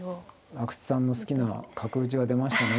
阿久津さんの好きな角打ちが出ましたね。